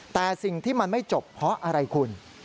แต่สิ่งที่มันไม่จบเพราะอะไรคุณ